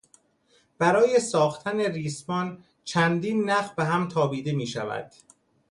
برای ساختن ریسمان چندین نخ بهم تابیده میشود.